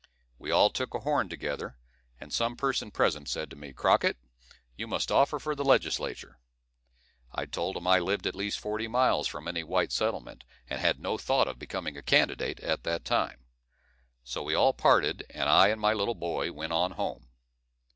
We all took a horn together, and some person present said to me, "Crockett, you must offer for the Legislature." I told him I lived at least forty miles from any white settlement, and had no thought of becoming a candidate at that time. So we all parted, and I and my little boy went on home.